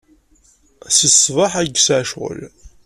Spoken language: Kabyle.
Seg ṣṣbaḥ ay yesɛa ccɣel.